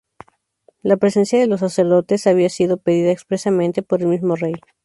La presencia de los sacerdotes había sido pedida expresamente por el mismo rey.